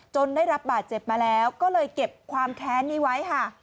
ได้รับบาดเจ็บมาแล้วก็เลยเก็บความแค้นนี้ไว้ค่ะ